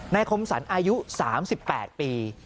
นายคมสันอายุ๓๘ปี